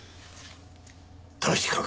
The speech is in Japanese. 確かか？